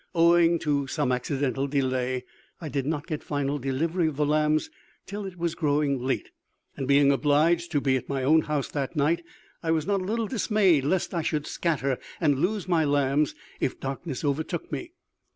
Owing to some accidental delay, I did not get final delivery of the lambs till it was growing late; and being obliged to be at my own house that night, I was not a little dismayed lest I should scatter and lose my lambs if darkness overtook me.